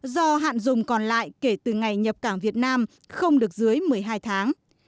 do hạn dùng còn lại kể từ ngày nhập cảng việt nam không được dưới một mươi hai tháng